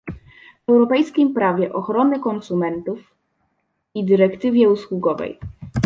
europejskim prawie ochrony konsumentów i dyrektywie usługowej